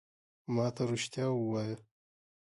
ما ته رېښتیا ووایه !